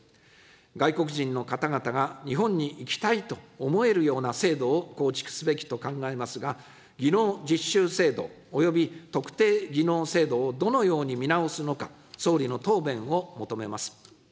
外国人の方々が日本に行きたいと思えるような制度を構築すべきと考えますが、技能実習制度、および特定技能制度をどのように見直すのか、総理の答弁を求めます。